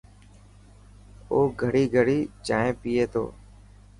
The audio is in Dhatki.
او گڙي گڙي چائين پئي تو.